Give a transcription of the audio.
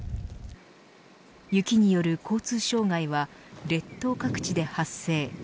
雪による交通障害は列島各地で発生。